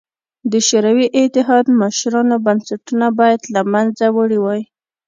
د شوروي اتحاد مشرانو بنسټونه باید له منځه وړي وای